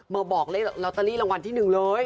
บอกเลขลอตเตอรี่รางวัลที่๑เลย